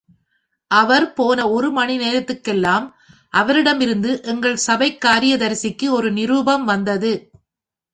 அவர் போன ஒரு மணி நேரத்திற்கெல்லாம் அவரிடமிருந்து எங்கள் சபைக் காரியதரிசிக்கு ஒரு நிரூபம் வந்தது.